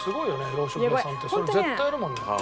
洋食屋さんってそれ絶対やるもんね。